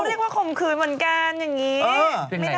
เขาเรียกว่าขมขืนเหมือนกันอย่างนี้